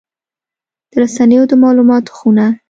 د رسنیو د مالوماتو خونه